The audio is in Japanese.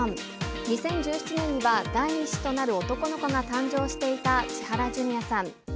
２０１７年には第１子となる男の子が誕生していた千原ジュニアさん。